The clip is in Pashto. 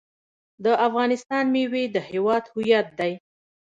د افغانستان میوې د هیواد هویت دی.